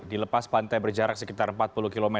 di lepas pantai berjarak sekitar empat puluh km